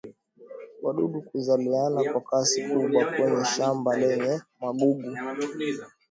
wadudu kuzaliana kwa kasi kubwa kwenye shamba lenye magugu